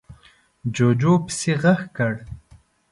جُوجُو پسې غږ کړ: